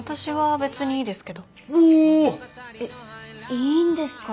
いいんですか？